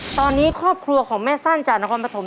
ตอนนี้ครอบครัวของแม่สั้นจากนครปฐม